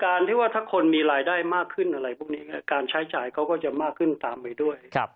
ที่ว่าถ้าคนมีรายได้มากขึ้นอะไรพวกนี้การใช้จ่ายเขาก็จะมากขึ้นตามไปด้วย